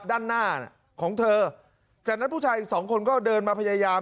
ด้านหน้าของเธอจากนั้นผู้ชายอีกสองคนก็เดินมาพยายาม